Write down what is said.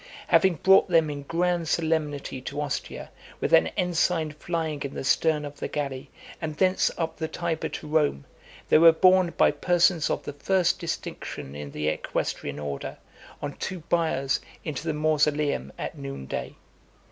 Having brought them in grand solemnity to Ostia , with an ensign flying in the stern of the galley, and thence up the Tiber to Rome, they were borne by persons of the first distinction in the equestrian order, on two biers, into the mausoleum , (260) at noon day.